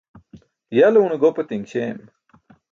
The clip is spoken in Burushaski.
Ya le une gopatiṅ śeem.